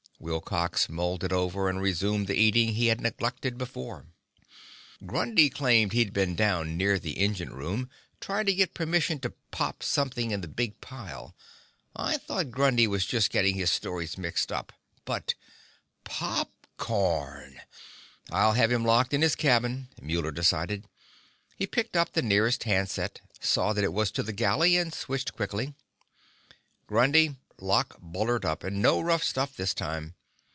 Wilcox mulled it over, and resumed the eating he had neglected before. "Grundy claimed he'd been down near the engine room, trying to get permission to pop something in the big pile. I thought Grundy was just getting his stories mixed up. But pop corn!" "I'll have him locked in his cabin," Muller decided. He picked up the nearest handset, saw that it was to the galley, and switched quickly. "Grundy, lock Bullard up. And no rough stuff this time."